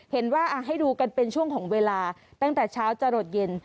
เห็นว่าให้ดูกันเป็นช่วงของเวลาตั้งแต่เช้าจะหลดเย็น